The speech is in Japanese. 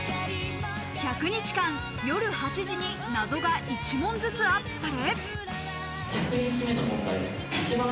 １００日間、夜８時に謎が１問ずつアップされ。